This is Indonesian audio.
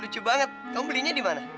lucu banget kamu belinya di mana